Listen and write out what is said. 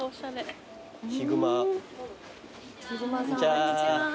こんにちは。